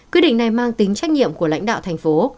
quyết định này mang tính trách nhiệm của lãnh đạo thành phố